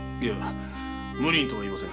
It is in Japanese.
無理にとは言いません。